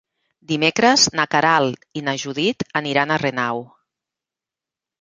Dimecres na Queralt i na Judit aniran a Renau.